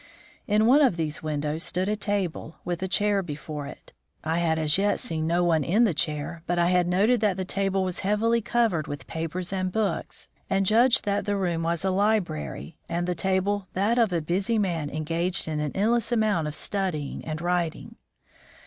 In one of these windows stood a table, with a chair before it. I had as yet seen no one in the chair, but I had noted that the table was heavily covered with papers and books, and judged that the room was a library and the table that of a busy man engaged in an endless amount of study and writing.